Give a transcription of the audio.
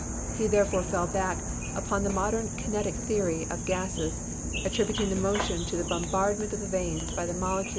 He therefore fell back upon the modern Kinetic Theory of Gases, attributing the motion to the bombardment of the vanes by the molecules of gas left in the tube.